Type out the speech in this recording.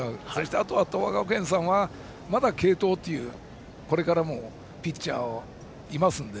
あとは東亜学園さんはまだ継投というこれからピッチャーもいますので。